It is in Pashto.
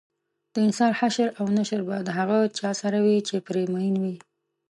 دانسان حشر او نشر به د هغه چا سره وي چې پرې مین وي